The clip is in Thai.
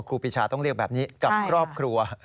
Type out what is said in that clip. ครูปีชาต้องเรียกแบบนี้กับครอบครัว